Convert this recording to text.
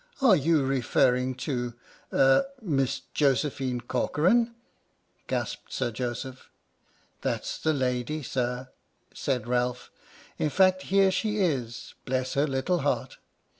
"Are you referring to — er — Miss Josephine Corcoran ?" gasped Sir Joseph. "That's the lady, Sir," said Ralph, "in fact here she is, bless her little heart